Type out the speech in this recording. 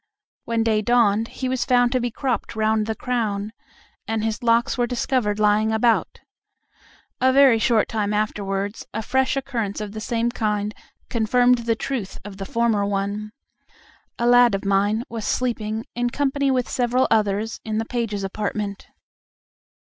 When day dawned he was found to be cropped round the crown, and his locks were discovered lying about. A very short time afterwards a fresh occurrence of the same kind confirmed the truth of the former one. A lad of mine was sleeping, in company with several others, in the pages' apartment.